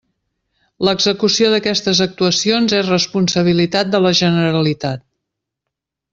L'execució d'aquestes actuacions és responsabilitat de la Generalitat.